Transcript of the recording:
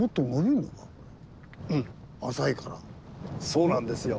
そうなんですよ。